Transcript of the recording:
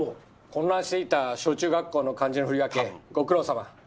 混乱していた小中学校の漢字の振り分けご苦労さま。